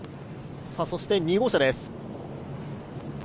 そして２号車です。